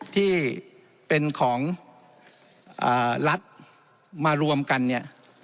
ที่เป็นของรัฐมารวมกันเนี่ย